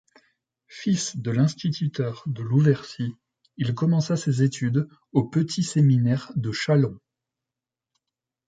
Fils de l'instituteur de Louvercy, il commença ses études au Petit séminaire de Châlons.